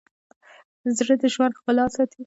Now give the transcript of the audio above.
زړه د ژوند ښکلا ساتي.